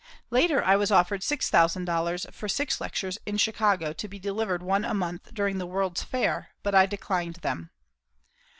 Later I was offered $6,000 for six lectures in Chicago, to be delivered one a month, during the World's Fair, but I declined them.